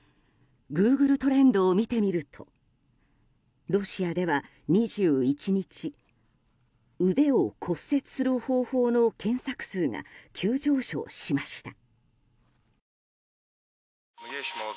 Ｇｏｏｇｌｅトレンドを見てみるとロシアでは２１日腕を骨折する方法の検索数が急上昇しました。